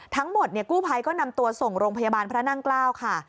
ทั้งหมดกู้ภัยก็นำตัวส่งโรงพยาบาลพระนั่งเกล้าค่ะ